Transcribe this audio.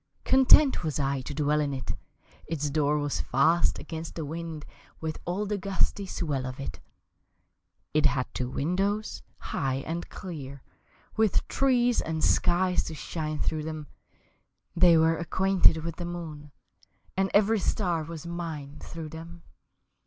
Content was I to dwell in it Its door was fast against the wind With all the gusty swell of it. It had two windows, high and clear, With trees and skies to shine through them, They were acquainted with the moon, And every star was mine through them.